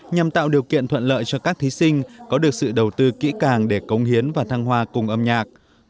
nhằm tạo điều kiện thuận lợi cho các thí sinh có được sự đầu tư kỹ càng để cống hiến và thăng hoa cùng âm nhạc